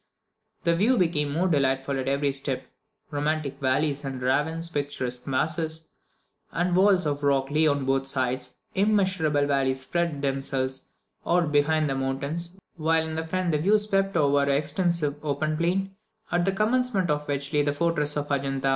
The view became more delightful at every step: romantic valleys and ravines, picturesque masses and walls of rock lay on both sides, immeasurable valleys spread themselves out behind the mountains, while in front the view swept over an extensive open plain, at the commencement of which lay the fortress of Adjunta.